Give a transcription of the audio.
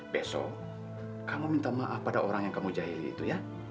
besok kamu minta maaf pada orang yang kamu jahili itu ya